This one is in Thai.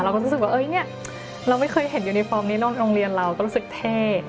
เราก็รู้สึกว่าเราไม่เคยเห็นยูนิฟอร์มนี้นอกจากโรงเรียนเราก็รู้สึกเท่